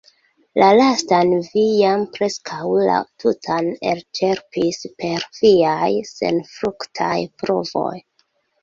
La lastan vi jam preskaŭ la tutan elĉerpis per viaj senfruktaj provoj.